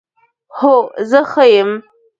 هو، زه ښه یم